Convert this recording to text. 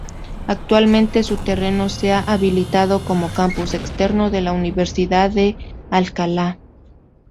Actualmente su terreno se ha habilitado como campus externo de la Universidad de Alcalá.